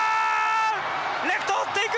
レフト追っていく！